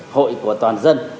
hội của toàn dân